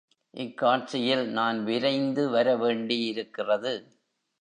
இக் காட்சியில் நான் விரைந்து வரவேண்டியிருக்கிறது.